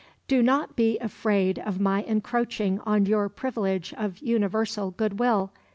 "Do not be afraid of my encroaching on your privilege of universal goodwill.